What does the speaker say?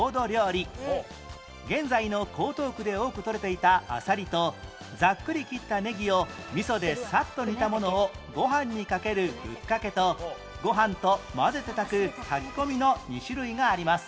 現在の江東区で多くとれていたアサリとざっくり切ったネギを味噌でサッと煮たものをご飯にかけるぶっかけとご飯と混ぜて炊く炊き込みの２種類があります